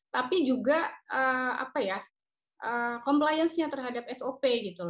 tapi juga kompliansinya terhadap sop